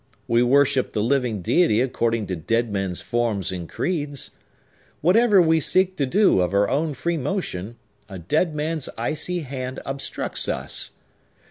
We worship the living Deity according to dead men's forms and creeds. Whatever we seek to do, of our own free motion, a dead man's icy hand obstructs us!